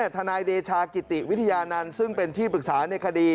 ทนายเดชากิติวิทยานันต์ซึ่งเป็นที่ปรึกษาในคดี